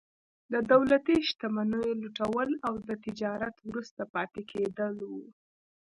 د دولتي شتمنیو لوټول او د تجارت وروسته پاتې کېدل وو.